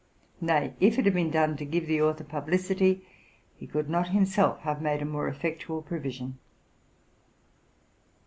Nay, if it had been done to give the author publicity, he could not himself have made a more effectual provision.